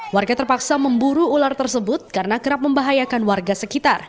warga terpaksa memburu ular tersebut karena kerap membahayakan warga sekitar